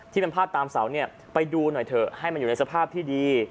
ที่เป็นภาพตามเสาเนี่ยไปดูหน่อยเถอะให้มันอยู่ในสภาพที่ดี